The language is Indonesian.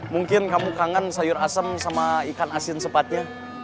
mungkin kamu kangen sayur asem sama ikan asin sepatnya